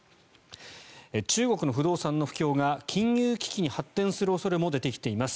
中国の不動産の不況が金融危機に発展する恐れも出てきています。